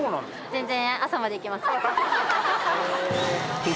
全然。